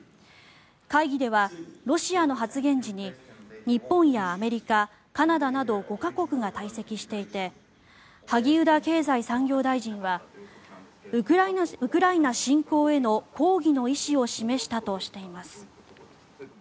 会議では、ロシアの発言時に日本やアメリカ、カナダなど５か国が退席していて萩生田経済産業大臣はウクライナ侵攻への抗議の意思を示したとしています。